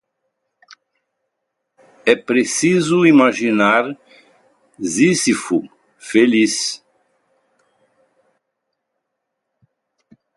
É preciso imaginar Sísifo feliz